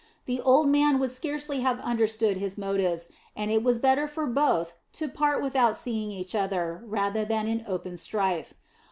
The old man would scarcely have understood his motives, and it was better for both to part without seeing each other rather than in open strife.